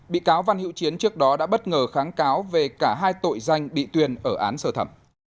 bị cáo văn hiễu chiến trước đó đã bất ngờ kháng cáo về cả hai tội danh bị tuyên ở án sơ thẩm